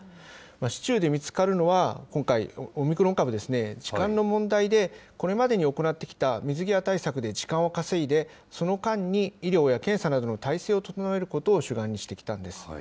市中で見つかるのは、今回、オミクロン株ですね、時間の問題で、これまでに行ってきた水際対策で時間を稼いで、その間に、医療や検査などの体制を整えることを主眼にしてきたんです。